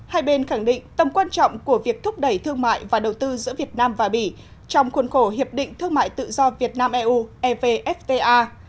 hai bên khẳng định tầm quan trọng của việc thúc đẩy thương mại và đầu tư giữa việt nam và bỉ trong khuôn khổ hiệp định thương mại tự do việt nam eu evfta